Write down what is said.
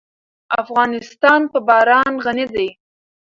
افغانستان په باران غني دی.